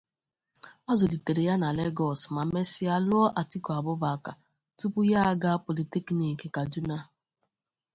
A zụlitere ya na Lagos ma mesịa lụọ Atiku Abubakar, tupu ya agaa Polytechnic Kaduna.